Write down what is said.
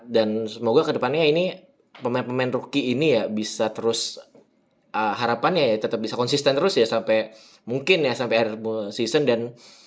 dan semoga kedepannya ini pemain pemain rookie ini ya bisa terus harapannya tetap bisa konsisten terus ya sampai mungkin ya sampai season dan